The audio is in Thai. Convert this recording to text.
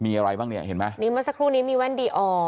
มีอะไรบ้างเนี่ยเห็นไหมนี่เมื่อสักครู่นี้มีแว่นดีออร์